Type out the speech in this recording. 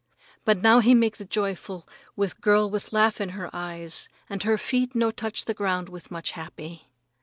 But now he make the joyful with girl with laugh in her eyes, and her feet no touch the ground with much happy.